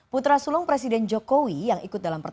putra sulung presiden jokowi yang ikut dalam pertemuan